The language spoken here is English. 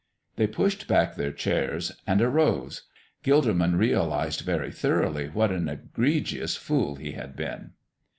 They pushed back their chairs and arose. Gilderman realized very thoroughly what an egregious fool he had been.